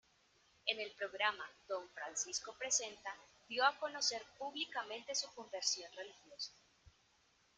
En el programa "Don Francisco presenta" dio a conocer públicamente su conversión religiosa.